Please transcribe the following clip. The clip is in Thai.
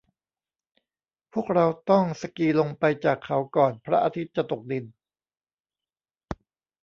พวกเราต้องสกีลงไปจากเขาก่อนพระอาทิตย์จะตกดิน